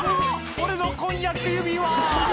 「俺の婚約指輪！」